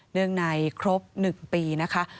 เนื่องในครบ๑ปีนะคะ